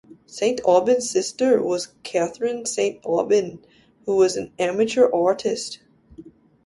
Saint Aubyn's sister was Catherine Saint Aubyn, who was an amateur artist.